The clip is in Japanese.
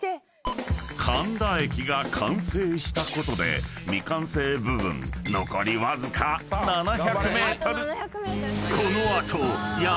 ［神田駅が完成したことで未完成部分残りわずか７００ｍ］